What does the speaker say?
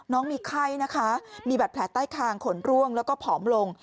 น้องมีไข้นะคะมีบัตรแผลใต้คางขนร่วงแล้วก็ผอมลง